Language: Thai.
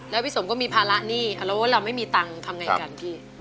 แล้วพี่สมก็มีพาระณี่หรือว่าเรามันไม่มีตังค์ที่ทำไงกันพี่